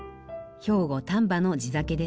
兵庫・丹波の地酒です。